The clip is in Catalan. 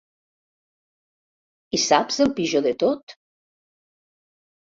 I saps el pitjor de tot?